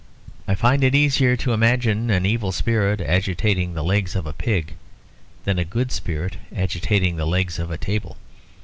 I find it easier to imagine an evil spirit agitating the legs of a pig than a good spirit agitating the legs of a table.